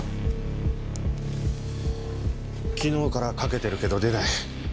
昨日からかけてるけど出ない。